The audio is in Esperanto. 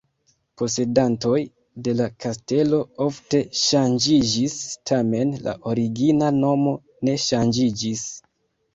Posedantoj de la kastelo ofte ŝanĝiĝis, tamen la origina nomo ne ŝanĝiĝis.